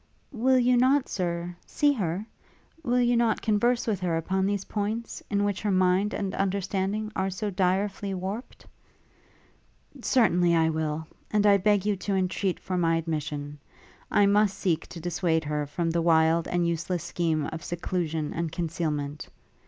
'Will you not, Sir, see her? Will you not converse with her upon these points, in which her mind and understanding are so direfully warped?' 'Certainly I will; and I beg you to entreat for my admission. I must seek to dissuade her from the wild and useless scheme of seclusion and concealment.